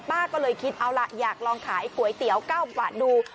ป้าก็เลยคิดเอาล่ะอยากลองขายก๋วยเตี๋ยว๙บาทดู